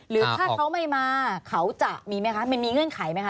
หรือถ้าเขาไม่มาเขาจะมีไหมคะมันมีเงื่อนไขไหมค